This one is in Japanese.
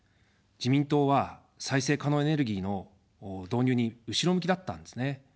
自民党は再生可能エネルギーの導入に後ろ向きだったんですね。